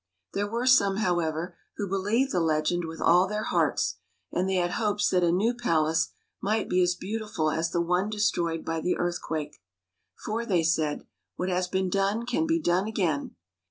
There were some, however, who believed the legend with all their hearts, and they had hopes that a new palace might be made as beautiful as the one destroyed by the earthquake. For, they said, what has been done can be done again.